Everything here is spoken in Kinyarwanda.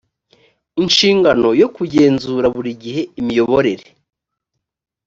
inshingano yo kugenzura buri gihe imiyoborere